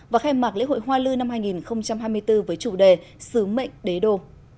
và khai mạc lễ hội hoa lư năm hai nghìn hai mươi bốn với chủ đề sứ mệnh đế đô